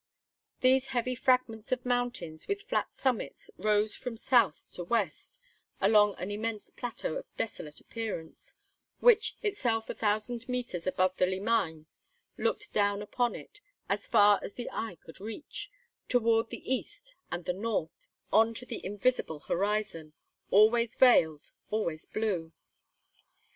These heavy fragments of mountains with flat summits rose from south to west along an immense plateau of desolate appearance, which, itself a thousand meters above the Limagne, looked down upon it, as far as the eye could reach, toward the east and the north, on to the invisible horizon, always veiled, always blue.